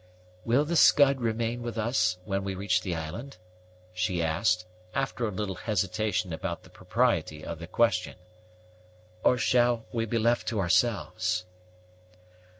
"Will the Scud remain with us when we reach the island?" she asked, after a little hesitation about the propriety of the question; "or shall we be left to ourselves?"